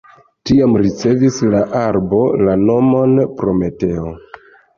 Tiam ricevis la arbo la nomon Prometeo.